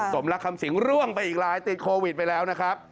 สมรักคำสิงร่วงไปอีกหลายติดโควิดไปแล้วนะครับ